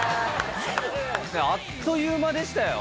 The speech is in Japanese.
あっという間でしたよ。